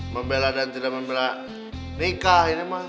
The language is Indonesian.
membela dan tidak membela nikah ini mah